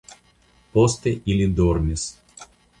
Poste ili dormis.